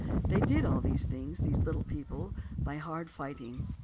They did all these things, this little people, by hard fighting.